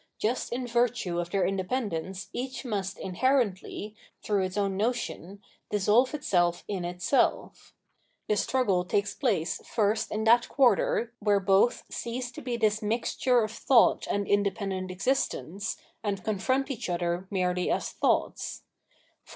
Just in virtue of their independence each must inherently, through its own notion, dissolve itself in itself. The struggle takes place first in that quarter where both cease to be this mixture of thought and independent existence, and confront each other merely as thoughts.